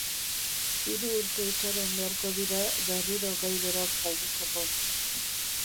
Hiru urte itxaron beharko dira berriro gai beraz galdetzeko.